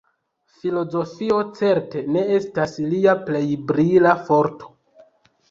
Filozofio certe ne estas lia plej brila forto.